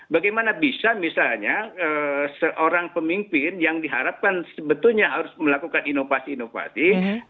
bagaimana bisa misalnya seorang pemimpin yang diharapkan sebetulnya harus melakukan inovasi inovasi